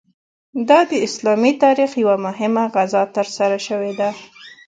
دا د اسلامي تاریخ یوه مهمه غزا ترسره شوې ده.